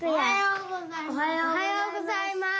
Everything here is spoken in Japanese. おはようございます！